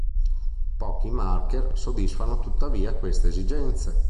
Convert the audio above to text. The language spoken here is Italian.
Pochi marker soddisfano tuttavia queste esigenze.